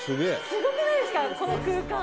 「すごくないですか？